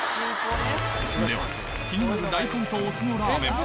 では気になる大根とお酢のラーメン